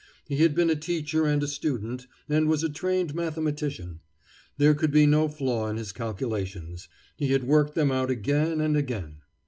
He had been a teacher and a student, and was a trained mathematician. There could be no flaw in his calculations. He had worked them out again and again.